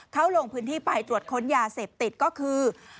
เขาลงพื้นที่ไปตรวจค้นยาเสพติดก็คือ